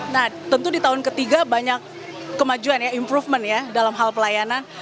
nah tentu di tahun ketiga banyak kemajuan ya improvement ya dalam hal pelayanan